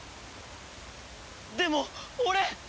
でも俺！